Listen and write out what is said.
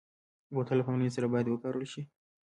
بوتل له پاملرنې سره باید وکارول شي.